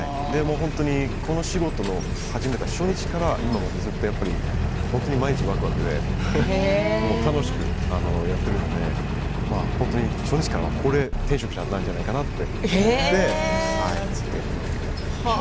この仕事を始めた初日から今も毎日わくわくで楽しくやっているので本当に初日からこれが天職なんじゃないかなと思ってずっとやっていますね。